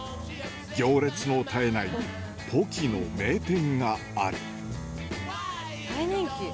行列の絶えないポキの名店がある。